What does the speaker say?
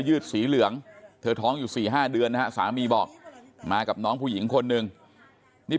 ยืดสีเหลืองเธอท้องอยู่๔๕เดือนนะฮะสามีบอกมากับน้องผู้หญิงคนหนึ่งนี่